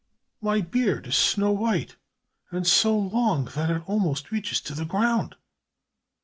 My beard is snow white and so long that it almost reaches to the ground."